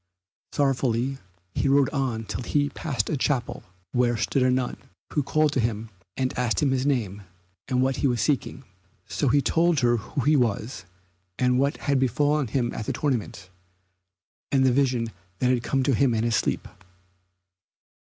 Sorrowfully he rode on till he passed a chapel, where stood a nun, who called to him and asked him his name and what he was seeking. So he told her who he was, and what had befallen him at the tournament, and the vision that had come to him in his sleep.